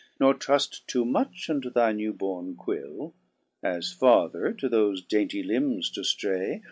Nor truft too much unto thy new borne quill. As farther to thofe dainty limbs to ftray.